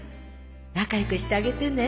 仲良くしてあげてね